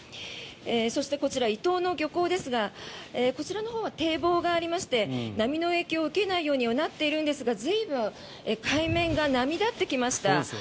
そして、こちら伊東の漁港ですがこちらのほうは堤防がありまして波の影響を受けないようにはなっているんですが随分、海面が波立ってきました。